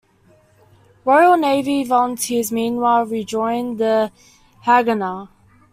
Royal Navy volunteers, meanwhile, rejoined the Haganah.